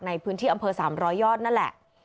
ในพื้นที่อำเภอ๓๐๐ยอดนั่นแหละ